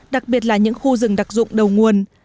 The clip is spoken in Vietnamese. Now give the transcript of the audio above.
đặc biệt là những khu rừng đặc dụng đầu nguồn